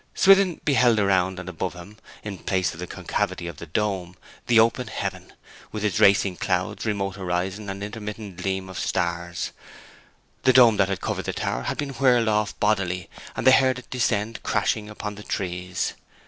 Swithin beheld around and above him, in place of the concavity of the dome, the open heaven, with its racing clouds, remote horizon, and intermittent gleam of stars. The dome that had covered the tower had been whirled off bodily; and they heard it descend crashing upon the trees.